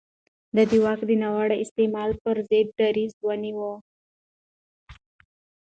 ده د واک د ناوړه استعمال پر ضد دريځ ونيو.